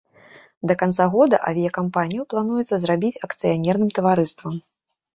Да канца года авіякампанію плануецца зрабіць акцыянерным таварыствам.